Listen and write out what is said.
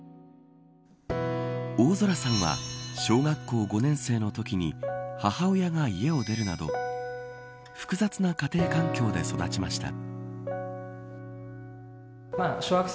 大空さんは小学校５年生のときに母親が家を出るなど複雑な家庭環境で育ちました。